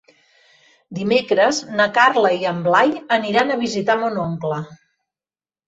Dimecres na Carla i en Blai aniran a visitar mon oncle.